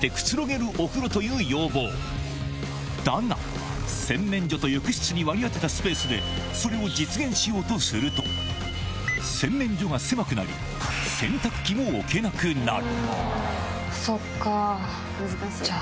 だが洗面所と浴室に割り当てたスペースでそれを実現しようとすると洗面所が狭くなりそっか。